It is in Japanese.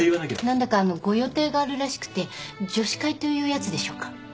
何だかあのうご予定があるらしくて女子会というやつでしょうか。